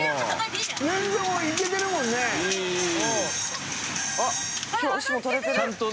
全然いけてるもんね。）